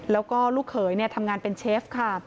แล้วก็ลูกเขยทำงานเป็นเชฟค่ะ